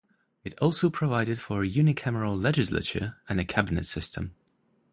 It also provided for a unicameral legislature and a cabinet system.